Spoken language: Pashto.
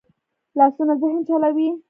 لاسونه ذهن چلوي